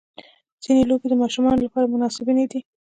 ځینې لوبې د ماشومانو لپاره مناسبې نه دي.